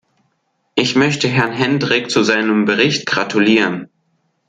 Ich möchte Herrn Hendrick zu seinem Bericht gratulieren.